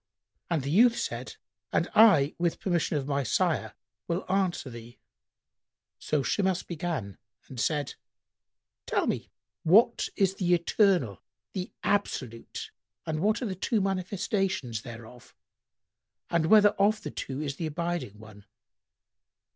And the youth said, "And I, with permission of my sire, will answer thee." So Shimas began and said, "Tell me what is the Eternal, the Absolute, and what are the two manifestations[FN#100] thereof and whether of the two is the abiding one?"